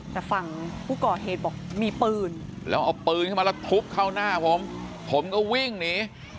แต่ฝั่งผู้ก่อเหตุบอกมีปืนแล้วเอาปืนเข้ามาแล้วทุบเข้าหน้าผมผมก็วิ่งหนี